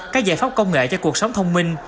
các giải pháp công nghệ cho cuộc sống thông minh